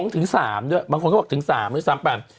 ๒ถึง๓ด้วยบางคนก็บอกถึง๓หรือ๓แปล